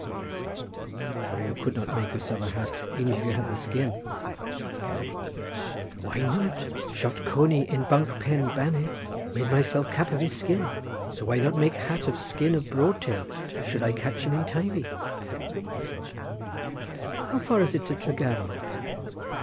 Myself.—O, you could not make yourself a hat even if you had the skin. Farmer.—Why not? Shot coney in Bunk Pen Blanedd; made myself cap of his skin. So, why not make hat of skin of broadtail, should I catch him in Teivi? Myself.—How far is it to Tregaron?